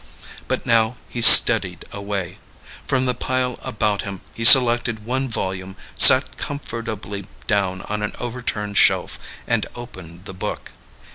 But now he steadied away. From the pile about him, he selected one volume, sat comfortably down on an overturned shelf, and opened the book.